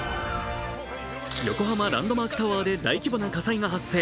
横浜・ランドマークタワーで大規模な火災が発生。